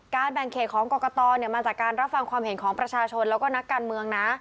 แบ่งเขตของกรกตมาจากการรับฟังความเห็นของประชาชนแล้วก็นักการเมืองนะ